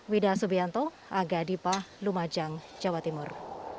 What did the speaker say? wida subianto aga dipa lumajang jawa timur